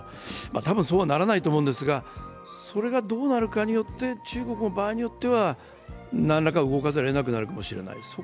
多分そうはならないと思うんですが、それがどうなるかによって中国も場合によってはなんらか、動かざるをえなくなるかもしれない。